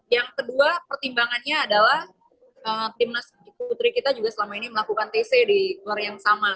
yang kedua pertimbangannya adalah timnas putri kita juga selama ini melakukan tc di gor yang sama